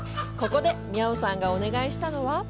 ここでミャオさんがお願いしたのは？